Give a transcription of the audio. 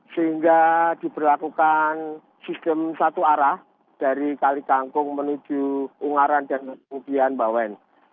sehingga diberlakukan sistem satu arah dari kali kangkung menuju ungaran dan kemudian bawen